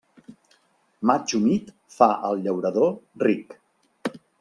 Maig humit fa al llaurador ric.